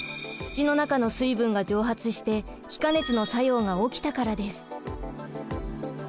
土の中の水分が蒸発して気化熱の作用が起きたからです。